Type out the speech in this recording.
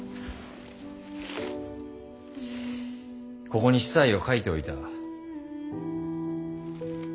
ここに子細を書いておいた。